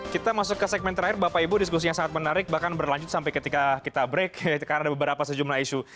kita masuk ke segmen terakhir bapak ibu diskusi yang sangat menarik bahkan berlanjut sampai ketika kita break karena ada beberapa sejumlah isu